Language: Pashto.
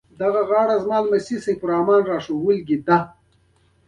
مه پرېږدئ چې مخلوط او بفر له سلایډ څخه لاندې وغورځيږي.